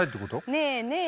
「ねえねえ」。